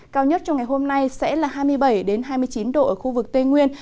cao nhất trong ngày hôm nay sẽ là hai mươi bảy hai mươi chín độ ở khu vực tây nguyên